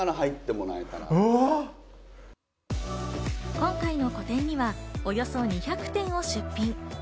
今回の個展には、およそ２００点を出品。